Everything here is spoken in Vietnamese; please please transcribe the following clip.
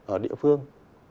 ở địa phương